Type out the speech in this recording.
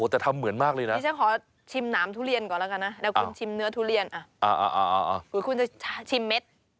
จะได้รู้ว่ารสชาติเขาเหมือนไหม